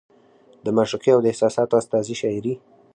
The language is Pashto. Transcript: د معشوقې د احساساتو استازې شاعري